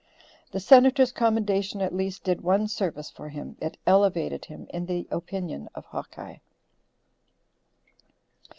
The Senator's commendation at least did one service for him, it elevated him in the opinion of Hawkeye.